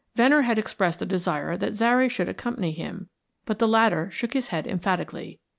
Venner had expressed a desire that Zary should accompany him, but the latter shook his head emphatically.